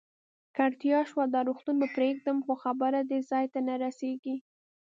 که اړتیا شوه، دا روغتون به پرېږدم، خو خبره دې ځای ته نه رسېږي.